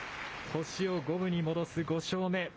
星を五分に戻す５勝目。